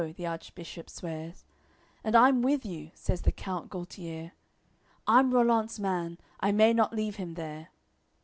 the Archbishop swears. "And I'm with you," says then the count Gualtiers, "I'm Rollant's man, I may not leave him there."